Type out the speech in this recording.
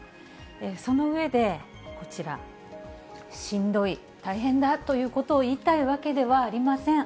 その上で、こちら、しんどい、大変だということを言いたいわけではありません。